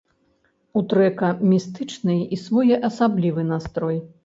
У трэка містычны і своеасаблівы настрой.